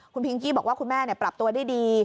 คุณพิงกี้บอกว่าคุณแม่ปรับตัวได้ดี